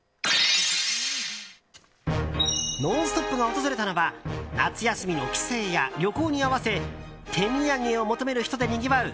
「ノンストップ！」が訪れたのは夏休みの帰省や旅行に合わせ手土産を求める人でにぎわう